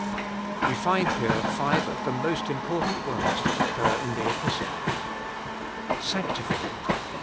We find here five of the most important words that occur in the Epistle. Sanctified.